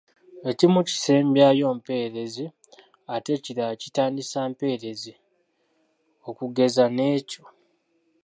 Ekimu kisembyayo mpeerezi ate ekirala kitandisa mpeerezi okugeza n’ekyo.